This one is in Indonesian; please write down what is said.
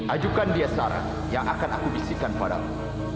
ajukan dia sarah yang akan aku bisikan padamu